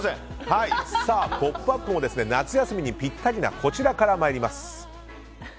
「ポップＵＰ！」も夏休みにぴったりなこちらから参ります。